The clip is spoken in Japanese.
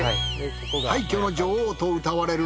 廃墟の女王とうたわれる